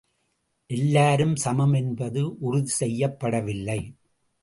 எல்லாரும் சமம் என்பது உறுதிசெய்யப்படவில்லை.